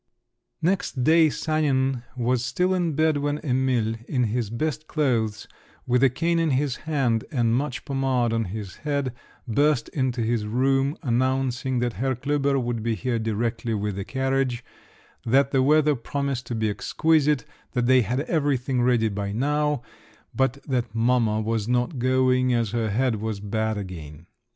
Next day Sanin was still in bed when Emil, in his best clothes, with a cane in his hand and much pomade on his head, burst into his room, announcing that Herr Klüber would be here directly with the carriage, that the weather promised to be exquisite, that they had everything ready by now, but that mamma was not going, as her head was bad again.